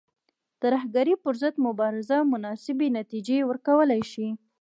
ترهګرۍ پر ضد مبارزه مناسبې نتیجې ورکولای شي.